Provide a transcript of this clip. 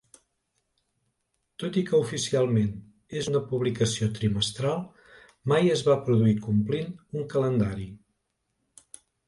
Tot i que oficialment és una publicació trimestral, mai es va produir complint un calendari.